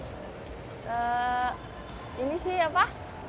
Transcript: eee ini sih apa